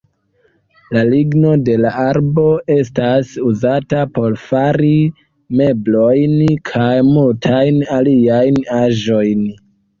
La ligno de la arbo estas uzata por fari meblojn, kaj multajn aliajn aĵojn.